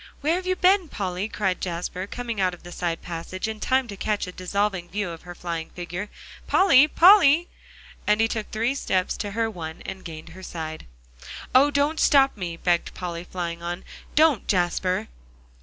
"Where have you been, Polly?" cried Jasper, coming out of a side passage in time to catch a dissolving view of her flying figure. "Polly Polly!" and he took three steps to her one, and gained her side. "Oh! don't stop me," begged Polly, flying on, "don't, Jasper."